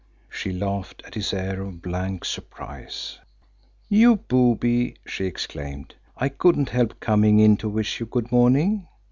She laughed at his air of blank surprise. "You booby!" she exclaimed. "I couldn't help coming in to wish you good morning.